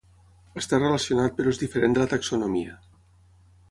Està relacionat però és diferent de la taxonomia.